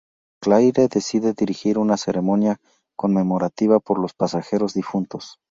Claire decide dirigir una ceremonia conmemorativa por los pasajeros difuntos.